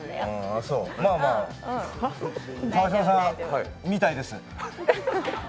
あっそう、まあまあ川島さん、みたいです。